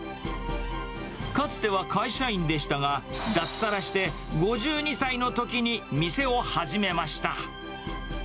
かつては会社員でしたが、脱サラして５２歳のときに店を始めました。